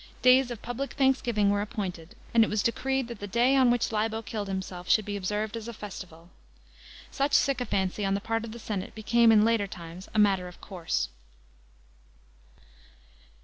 Days of public thanksgiving were appointed, and it was decreed tLat the day on which Libo killed himself should be observed as a festival. Such sycophancy on the part of the senate became in later times a matter of course.